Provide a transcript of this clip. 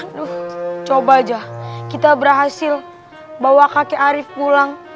aduh coba aja kita berhasil bawa kakek arief pulang